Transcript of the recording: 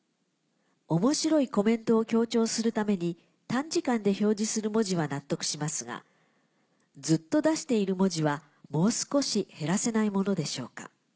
面白いコメントを強調するために短時間で表示する文字は納得しますがずっと出している文字はもう少し減らせないものでしょうか」。